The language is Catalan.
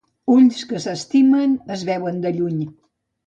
Ulls que s'estimen es veuen de lluny.